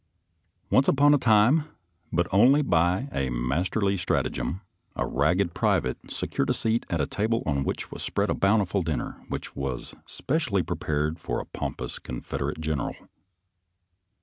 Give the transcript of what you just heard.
Once upon a time, but only by a masterly stratagem, a ragged private secured a seat at a table on which was spread a bountiful dinner which had been specially prepared for a pompous Confederate general.